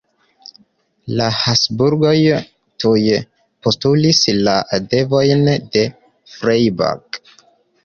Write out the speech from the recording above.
La Habsburgoj tuj postulis la devojn de Freiburg.